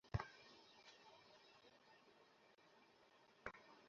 ঘোড়া আমার জীবনের অবিচ্ছেদ্য অংশ।